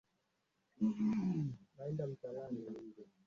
kwa sababu kuna vitu vingi zinawezatokea ikiwa wanajeshi wanahusishwa